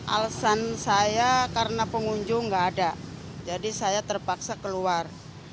alasan saya karena pengunjung tidak ada jadi saya terpaksa keluar